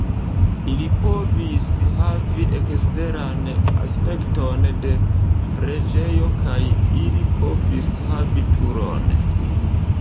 Ili povis havi eksteran aspekton de preĝejo kaj ili povis havi turon.